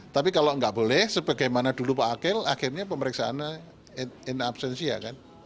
tapi kalau nggak boleh sebagaimana dulu pak akil akhirnya pemeriksaannya in absensi ya kan